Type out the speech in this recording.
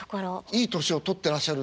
いい年を取ってらっしゃるんだなって。